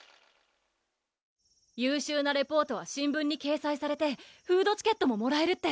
優秀なレポートは新聞に掲載されてフードチケットももらえるって！